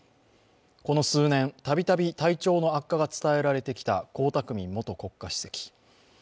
この数年、たびたび体調の悪化が伝えられてきた江沢民元国家主席。